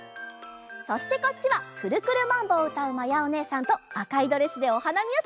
そしてこっちは「くるくるマンボ」をうたうまやおねえさんとあかいドレスでおはなみをするまやおねえさん。